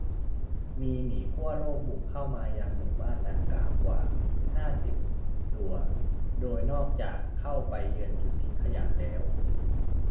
มีหมีขั้วโลกบุกเข้ามายังหมู่บ้านดังกล่าวกว่า ห้าสิบ ตัว โดยนอกจากเข้าไปเยือนจุดทิ้งขยะแล้ว